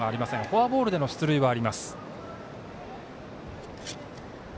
フォアボールでの出塁はあります。